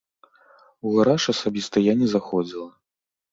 У гараж асабіста я не заходзіла.